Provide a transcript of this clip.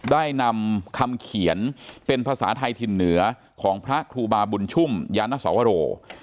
ได้นำคำเขียนเป็นภาษาไทยถิ่นเหนือของพระครูบาบุญชุ่มยานสวโร